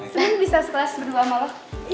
sebenernya bisa seles berdua sama lo